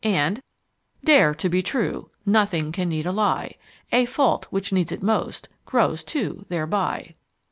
and Dare to be true: nothing can need a ly; A fault, which needs it most, grows two thereby.